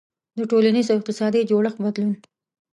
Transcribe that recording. • د ټولنیز او اقتصادي جوړښت بدلون.